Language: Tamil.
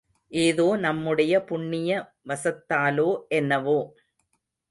ஏதோ நம்முடைய புண்ணிய வசத்தாலோ என்னவோ?